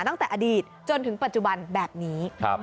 ตั้งแต่อดีตจนถึงปัจจุบันแบบนี้